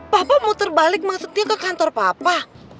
papa muter balik maksudnya ke kantor papa